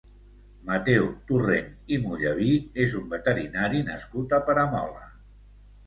Mateu Torrent i Molleví és un veterinari nascut a Peramola.